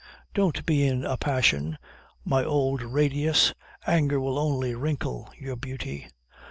"Don't be in a passion, my old radius anger will only wrinkle your beauty."